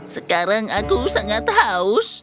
sekarang aku sangat haus